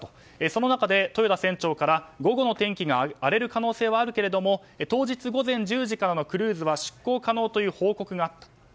その中で、豊田船長から午後の天気が荒れる可能性はあるけれども当日午前１０時からのクルーズは出航可能という報告があったと。